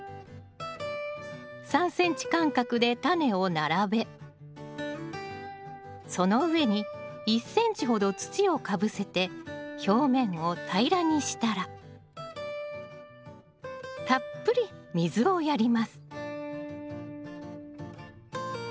３ｃｍ間隔でタネを並べその上に１ｃｍほど土をかぶせて表面を平らにしたらたっぷり水をやります